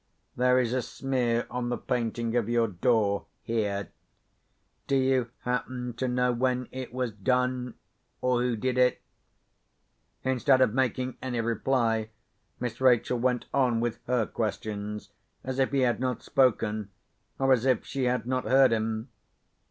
There is a smear on the painting of your door, here. Do you happen to know when it was done? or who did it?" Instead of making any reply, Miss Rachel went on with her questions, as if he had not spoken, or as if she had not heard him.